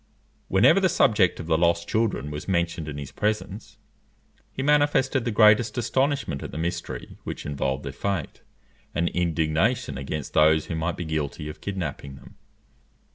Whenever the subject of the lost children was mentioned in his presence, he manifested the greatest astonishment at the mystery which involved their fate, and indignation against those who might be guilty of kidnapping them.